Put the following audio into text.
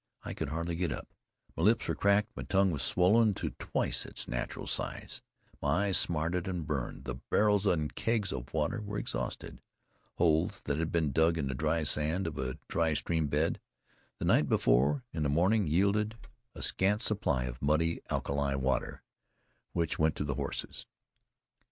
I could hardly get up. My lips were cracked; my tongue swollen to twice its natural size; my eyes smarted and burned. The barrels and kegs of water were exhausted. Holes that had been dug in the dry sand of a dry streambed the night before in the morning yielded a scant supply of muddy alkali water, which went to the horses.